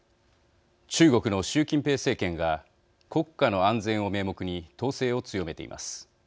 中国の習近平政権が国家の安全を名目に統制を強めています。